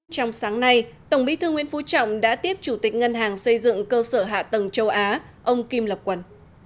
trong sáng nay tổng bí thư nguyễn phú trọng đã tiếp chủ tịch ngân hàng xây dựng cơ sở hạ tầng châu á ông kim lập quầy